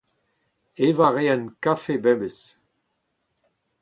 Evañ a raen kafe bemdez.